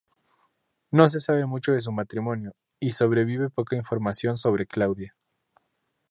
No se sabe mucho de su matrimonio y sobrevive poca información sobre Claudia.